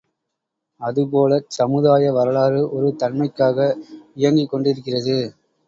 அதுபோலச் சமுதாய வரலாறு, ஒரு தன்மைக்காக இயங்கிக்கொண்டிருக்கிறது.